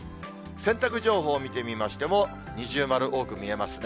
洗濯情報を見てみましても、二重丸、多く見えますね。